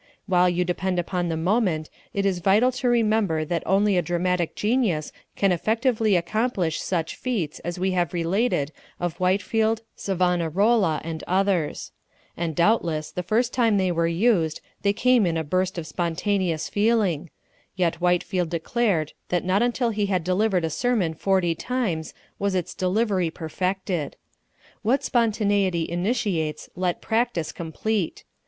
While you depend upon the moment it is vital to remember that only a dramatic genius can effectively accomplish such feats as we have related of Whitefield, Savonarola, and others: and doubtless the first time they were used they came in a burst of spontaneous feeling, yet Whitefield declared that not until he had delivered a sermon forty times was its delivery perfected. What spontaneity initiates let practise complete.